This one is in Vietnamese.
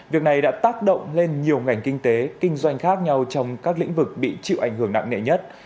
việc này đã tác động lên nhiều ngành kinh tế kinh doanh khác nhau trong các lĩnh vực bị chịu ảnh hưởng nặng nề nhất